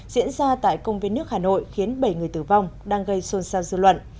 diễn ra tại công viên nước hà nội khiến bảy người tử vong đang gây xôn xao dư luận